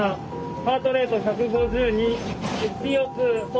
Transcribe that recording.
ハートレート１５２。